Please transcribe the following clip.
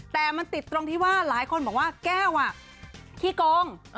แต่มันติดตรงที่ว่าหลายคนบอกว่าแก้วขี้โกง